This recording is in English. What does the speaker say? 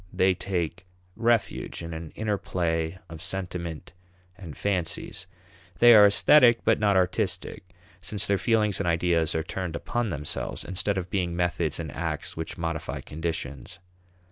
They take refuge in an inner play of sentiment and fancies. They are aesthetic but not artistic, since their feelings and ideas are turned upon themselves, instead of being methods in acts which modify conditions.